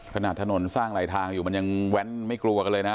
ถนนสร้างหลายทางอยู่มันยังแว้นไม่กลัวกันเลยนะ